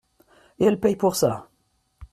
Et elle paye pour ça !…